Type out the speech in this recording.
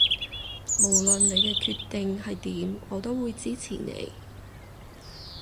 無論你嘅決定係點我都會支持你